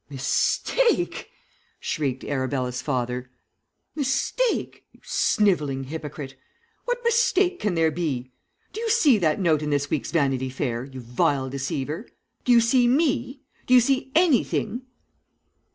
"'Mistake!' shrieked Arabella's father. 'Mistake, you snivelling hypocrite? What mistake can there be? Do you see that note in this week's Vanity Fair, you vile deceiver? Do you see me? Do you see anything?'